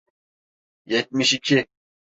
Yetmiş iki.